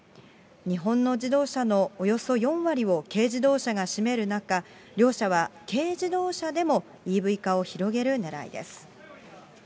日本の自動車のおよそ４割を軽自動車が占める中、両社は軽自動車でもＥＶ化を広げるねらいです。